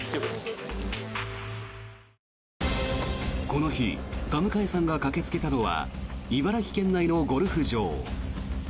この日田迎さんが駆けつけたのは茨城県内のゴルフ場。